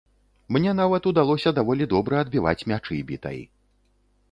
Мне нават удалося даволі добра адбіваць мячы бітай.